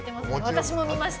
私も見ました。